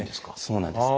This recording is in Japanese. そうなんです。